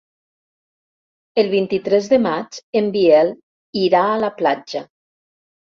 El vint-i-tres de maig en Biel irà a la platja.